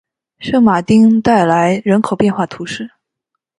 圣马丁代来人口变化图示